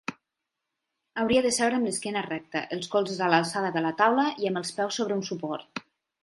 Hauria de seure amb l'esquena recta, els colzes a l'alçada de la taula i amb els peus sobre un suport.